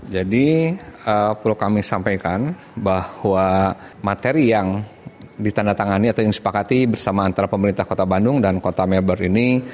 jadi perlu kami sampaikan bahwa materi yang ditandatangani atau yang disepakati bersama antara pemerintah kota bandung dan kota melbourne ini